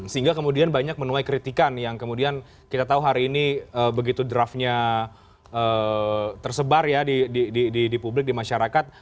sehingga kemudian banyak menuai kritikan yang kemudian kita tahu hari ini begitu draftnya tersebar ya di publik di masyarakat